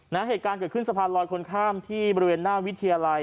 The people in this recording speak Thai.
เหตุการณ์เกิดขึ้นสะพานลอยคนข้ามที่บริเวณหน้าวิทยาลัย